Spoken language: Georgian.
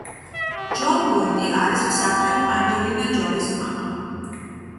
ჯონ ვოიტი არის მსახიობ ანჯელინა ჯოლის მამა.